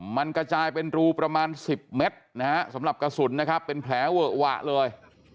มันกระจายเป็นรูประมาณ๑๐เมตรนะฮะสำหรับกระสุนนะครับเป็นแผลเวอะหวะเลย